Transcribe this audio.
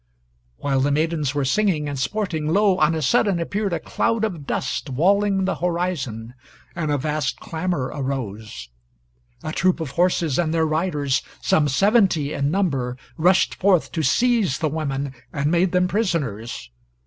[While the maidens were singing and sporting, lo! on a sudden appeared a cloud of dust walling the horizon, and a vast clamor arose. A troop of horses and their riders, some seventy in number, rushed forth to seize the women, and made them prisoners.